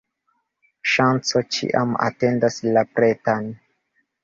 Ŝanco ĉiam atendas la pretan.